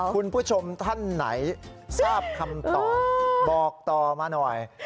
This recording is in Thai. คุณผู้ชมท่านไหนทราบคำตอบบอกต่อมาหน่อย